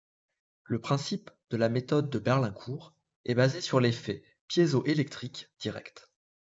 Le principe de la méthode de Berlincourt est basé sur l'effet piézoélectrique direct.